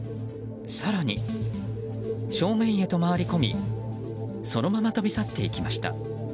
更に、正面へと回り込みそのまま飛び去っていきました。